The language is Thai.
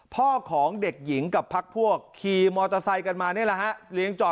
พ่อของเด็กหญิงกับพักพวกขี่มอเตอร์ไซค์กันมานี่แหละฮะเลี้ยงจอ